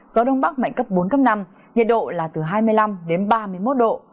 gió đông bắc mạnh cấp bốn năm nhiệt độ là từ hai mươi năm ba mươi một độ